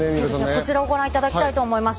こちらをご覧いただきたいと思います。